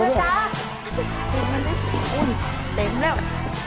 อุ๊ยเต็มแล้ว